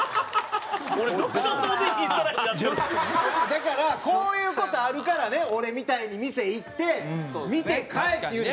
だからこういう事あるからね俺みたいに店行って見て買えっていう。